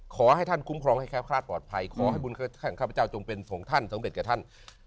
ขอให้ท่านคุ้มครองให้คราศปลอดภัยขอให้บุญของข้าพเจ้าจงเป็นสงเด็จกับท่าน